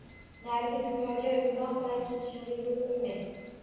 Narigi dunyoga gunoh bilan ketishimga yoʻl qoʻymang!